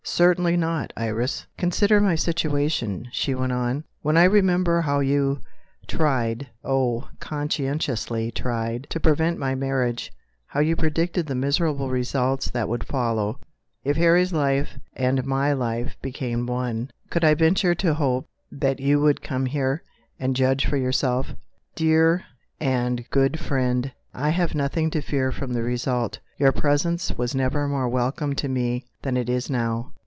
"Certainly not, Iris." "Consider my situation," she went on. "When I remember how you tried (oh, conscientiously tried!) to prevent my marriage how you predicted the miserable results that would follow, if Harry's life and my life became one could I venture to hope that you would come here, and judge for yourself? Dear and good friend, I have nothing to fear from the result; your presence was never more welcome to me than it is now!"